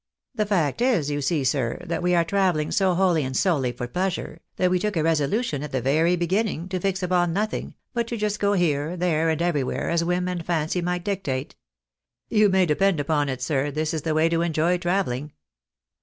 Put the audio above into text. " The fact is, you see, sir, that we are travelling so wholly and solely for pleasure, that we took a resolution, at the very beginning, to fix upon nothing, but to go just here, there, and everywhere, as whim and fancy might dictate. You may depend upon it, sir, this is the way to enjoy travelling."